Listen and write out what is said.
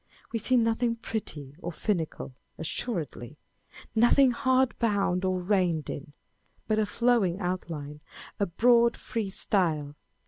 We see nothing petty or finical, assuredly, â€" nothing hard bound or reined in, â€" but a flowing outline, a broad free style.